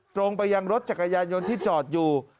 ตรงไปยังรถจักรยานยนต์ที่จอดอยู่